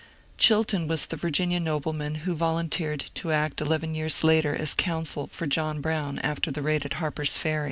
Chilton was the Virginia nobleman who volunteered to act eleven years later as counsel for John Brown after the raid at Harper's Ferry.